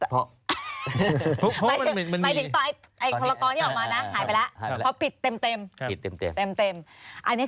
เพราะมันมี